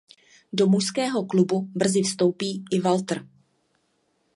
Do Mužského klubu brzy vstoupí i Walter.